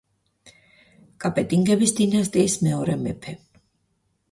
კაპეტინგების დინასტიის მეორე მეფე.